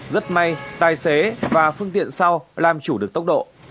rất may tài xế và phương tiện sau làm chủ được tốc độ